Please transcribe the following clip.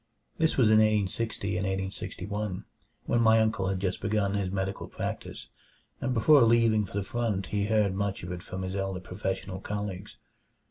This was in 1860 and 1861, when my uncle had just begun his medical practise; and before leaving for the front he heard much of it from his elder professional colleagues.